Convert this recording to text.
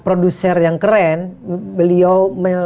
produser yang keren beliau